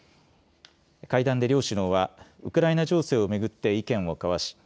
会談で両首脳はウクライナ情勢を巡って意見を交わし